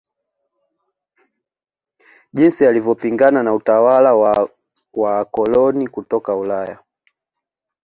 Jinsi alivyopingana na utawala wa waakoloni kutoka Ulaya